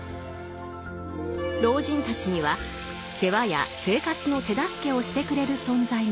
老人たちには世話や生活の手助けをしてくれる存在が友人なのだと。